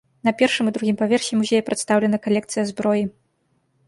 На першым і другім паверсе музея прадстаўлена калекцыя зброі.